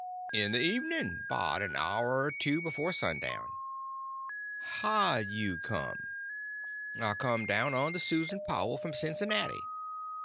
"In the evenin'—'bout an hour er two before sundown." "How'd you come?" "I come down on the Susan Powell from Cincinnati."